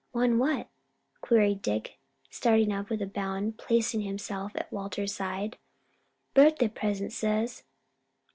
"One what?" queried Dick, starting up and with one bound placing himself at Walter's side. "Birthday present, sahs.